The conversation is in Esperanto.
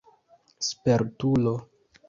spertulo